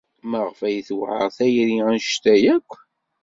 Maɣef ay tewɛeṛ tayri anect-a akk?